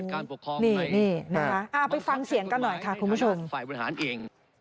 โหนี่นะคะเอาไปฟังเสียงกันหน่อยค่ะคุณผู้ชม